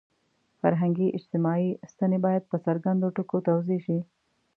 فرهنګي – اجتماعي ستنې باید په څرګندو ټکو توضیح شي.